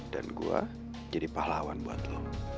dan gue jadi pahlawan buat lo